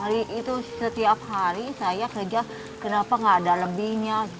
hari itu setiap hari saya kerja kenapa nggak ada lebihnya